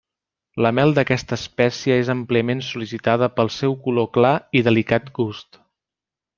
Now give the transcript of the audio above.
La mel d'aquesta espècie és àmpliament sol·licitada pel seu color clar i delicat gust.